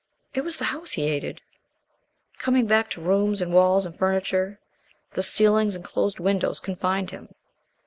It was the house he hated coming back to rooms and walls and furniture. The ceilings and closed windows confined him.